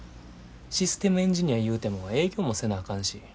システムエンジニアいうても営業もせなあかんし。